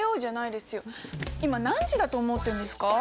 今何時だと思ってるんですか？